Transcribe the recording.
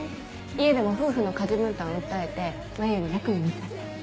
家でも夫婦の家事分担を訴えて前より楽になったって。